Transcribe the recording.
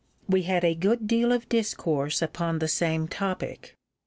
We had a good deal of discourse upon the same topic.